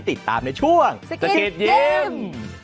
ติดตามในช่วงสกิดยิ้ม